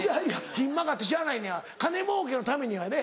ひん曲がってしゃあないねや金もうけのためにはね。